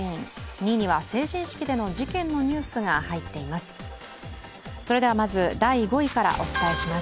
２位には成人式の事件のニュースが入っています。